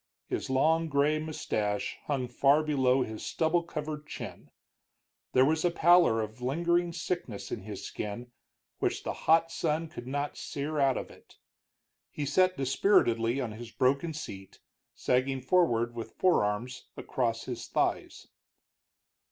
His long gray mustache hung far below his stubble covered chin; there was a pallor of a lingering sickness in his skin, which the hot sun could not sere out of it. He sat dispiritedly on his broken seat, sagging forward with forearms across his thighs.